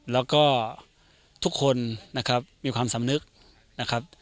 แล้วก็ทุกคนนะครับมีความสำนึกนะครับ